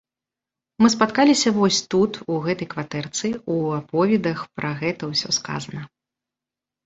Мы спатыкаліся вось тут, у гэтай кватэрцы, у аповедах пра гэта ўсё сказана.